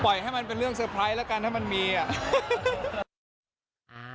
ให้มันเป็นเรื่องเซอร์ไพรส์แล้วกันถ้ามันมีอ่ะ